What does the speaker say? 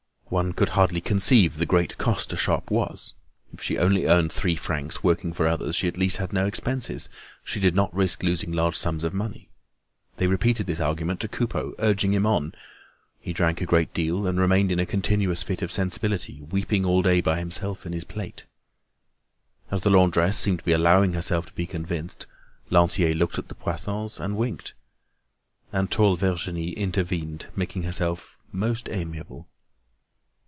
One could hardly conceive the great cost a shop was. If she only earned three francs working for others she at least had no expenses; she did not risk losing large sums of money. They repeated this argument to Coupeau, urging him on; he drank a great deal and remained in a continuous fit of sensibility, weeping all day by himself in his plate. As the laundress seemed to be allowing herself to be convinced, Lantier looked at the Poissons and winked. And tall Virginie intervened, making herself most amiable.